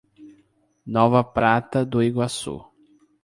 Nova Prata do Iguaçu